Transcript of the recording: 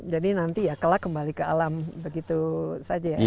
jadi nanti ya kelak kembali ke alam begitu saja ya pak tony